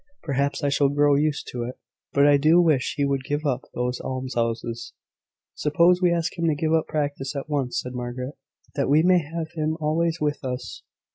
"Perhaps I shall grow used to it: but I do wish he would give up those almshouses." "Suppose we ask him to give up practice at once," said Margaret, "that we may have him always with us.